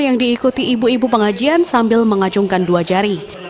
yang diikuti ibu ibu pengajian sambil mengacungkan dua jari